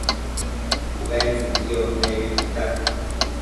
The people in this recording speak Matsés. ubentsëcquio nebi tita